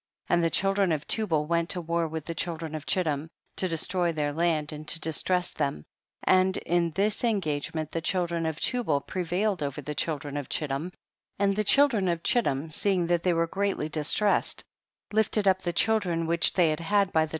12. And the children of Tubal went to war with the children of Chittim, to destroy their land and to distress them, and in this cnga,s;e nient the children of Tubal prevailed over the children of Chittim, and the children of Chittim, seeing that they were greatly distressed, lifted up the children which they had had by the 48 THE BOOK OF JASHER.